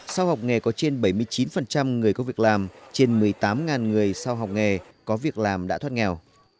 sau học nghề có trên bảy mươi chín người có việc làm trên một mươi tám người sau học nghề có việc làm đã thoát nghèo